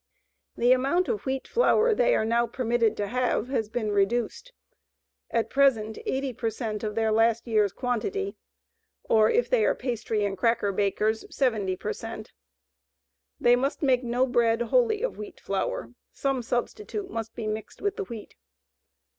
The amount of wheat flour they are now permitted to have has been reduced: at present 80 per cent of their last year's quantity, or, if they are pastry and cracker bakers, 70 per cent. They must make no bread wholly of wheat flour. Some substitute must be mixed with the wheat.